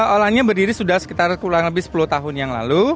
olannya berdiri sudah sekitar kurang lebih sepuluh tahun yang lalu